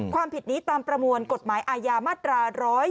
ความผิดนี้ตามประมวลกฎหมายอาญามาตรา๑๔